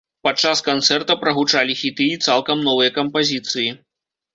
Падчас канцэрта прагучалі хіты і цалкам новыя кампазіцыі.